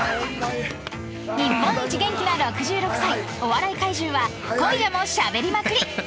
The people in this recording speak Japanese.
［日本一元気な６６歳お笑い怪獣は今夜もしゃべりまくり！］